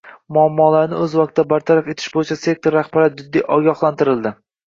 Muammolarni o‘z vaqtida bartaraf etish bo‘yicha sektor rahbari jiddiy ogohlantirildi